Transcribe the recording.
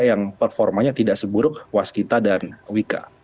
yang performanya tidak seburuk waskita dan wika